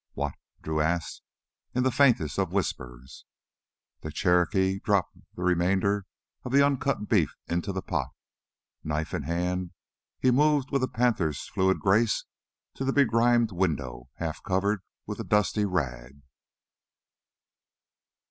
"What " Drew asked in the faintest of whispers. The Cherokee dropped the remainder of the uncut beef into the pot. Knife in hand, he moved with a panther's fluid grace to the begrimed window half covered with a dusty rag.